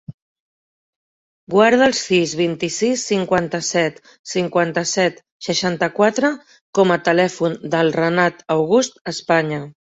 Guarda el sis, vint-i-sis, cinquanta-set, cinquanta-set, seixanta-quatre com a telèfon del Renat August España.